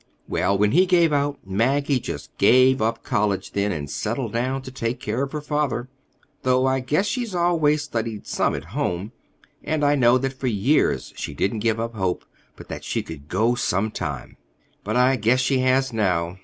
Well, when he gave out, Maggie just gave up college then, and settled down to take care of her father, though I guess she's always studied some at home; and I know that for years she didn't give up hope but that she could go some time. But I guess she has now.